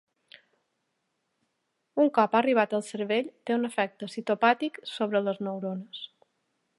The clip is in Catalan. Un cop ha arribat al cervell, té un efecte citopàtic sobre les neurones.